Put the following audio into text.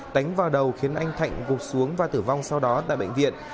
đánh vào đầu khiến anh thạnh gục xuống và tử vong sau đó tại bệnh viện